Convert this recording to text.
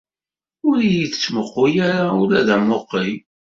Ur iyi-d-yemmuqel ara ula d amuqel.